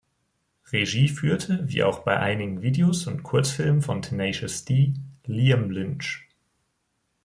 Regie führte, wie auch bei einigen Videos und Kurzfilmen von Tenacious D, Liam Lynch.